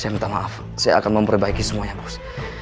saya minta maaf saya akan memperbaiki semuanya bos